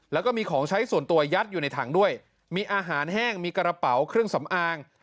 แล้วก็มีของใช้ส่วนตัวยัดอยู่ในถังด้วยมีอาหารแห้งมีกระเป๋าเครื่องสำอาง